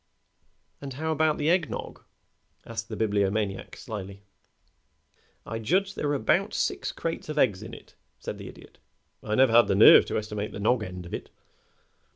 "And how about the egg nog?" asked the Bibliomaniac, slyly. "I judge there were about six crates of eggs in it," said the Idiot. "I never had the nerve to estimate the nog end of it."